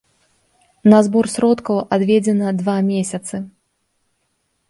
На збор сродкаў адведзена два месяцы.